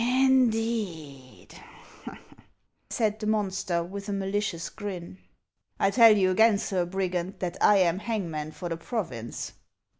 " Indeed ?" said the monster, with a malicious grin. " I tell you again, Sir Brigand, that I am hangman for the province."